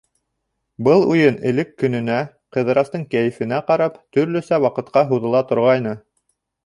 Был уйын элек көнөнә, Ҡыҙырастың кәйефенә ҡарап, төрлөсә ваҡытҡа һуҙыла торғайны.